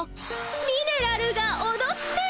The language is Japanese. ミネラルがおどってる。